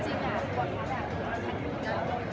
พี่แม่ที่เว้นได้รับความรู้สึกมากกว่า